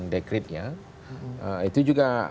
dekretnya itu juga